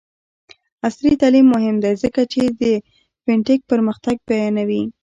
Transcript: عصري تعلیم مهم دی ځکه چې د فین ټیک پرمختګ بیانوي.